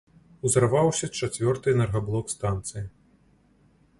Узарваўся чацвёрты энергаблок станцыі.